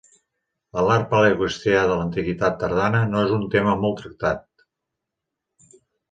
A l'art paleocristià de l'Antiguitat Tardana no és un tema molt tractat.